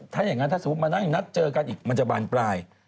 ถ้าอย่างนั้นถ้าสมมุติมานั่งนัดเจอกันอีกมันจะบานปลาย